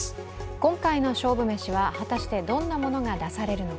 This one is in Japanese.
今回の勝負めしは果たしてどんなものが出されるのか。